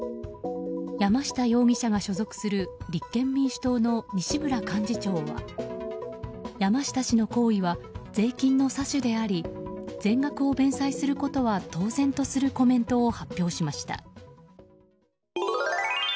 山下容疑者が所属する立憲民主党の西村幹事長は山下氏の行為は税金の詐取であり全額を弁済することは当然とするコメントを発表しました。